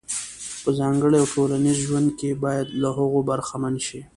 په ځانګړي او ټولنیز ژوند کې باید له هغو برخمن شي.